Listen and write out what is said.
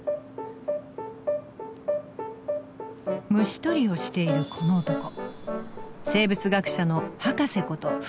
虫捕りをしているこの男生物学者のハカセこと